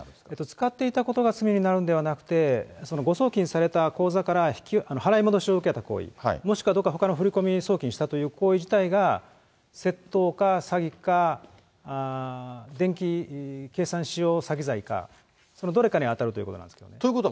使っていたことが罪になるんではなくて、その誤送金された口座から払い戻しを受けた行為、もしくはどこかに振り込み送金したという行為自体が、窃盗か詐欺か、電子計算機使用詐欺罪か、そのどれかに当たるということなんです。